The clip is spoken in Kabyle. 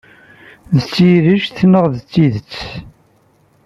D tirjet neɣ d tidet?